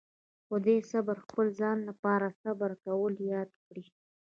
خدای صبر خپل ځان لپاره صبر کول ياد کړي.